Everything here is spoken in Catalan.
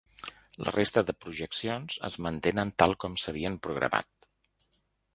La resta de projeccions es mantenen tal com s’havien programat.